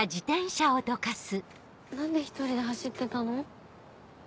何で１人で走ってたの？